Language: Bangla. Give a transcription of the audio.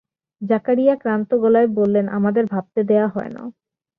জাকারিয়া ক্লান্ত গলায় বললেন, আমাদের ভাবতে দেয়া হয় না।